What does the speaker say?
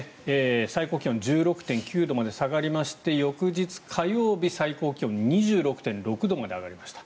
最高気温１６．９度まで下がりまして翌日火曜日最高気温２６．６度まで上がりました。